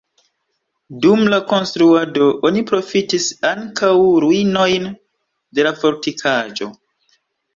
Dum la konstruado oni profitis ankaŭ ruinojn de la fortikaĵo.